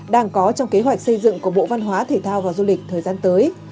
đang có trong kế hoạch xây dựng của bộ văn hóa thể thao và du lịch thời gian tới